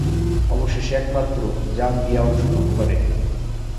অবশেষে একমাত্র জাম্বিয়া অংশগ্রহণ করে।